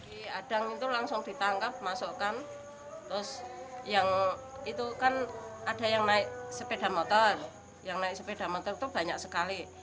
di adang itu langsung ditangkap masukkan terus yang itu kan ada yang naik sepeda motor yang naik sepeda motor itu banyak sekali